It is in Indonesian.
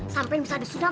sampai bisa disunat